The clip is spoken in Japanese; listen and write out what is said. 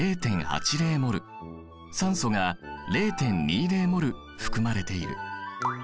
酸素が０．２０ｍｏｌ含まれている。